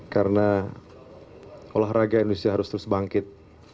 karena olahraga indonesia harus terus bangkit